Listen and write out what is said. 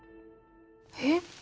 えっ？